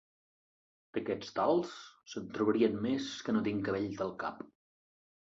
D'aquests tals, se'n trobarien més que no tinc cabells al cap.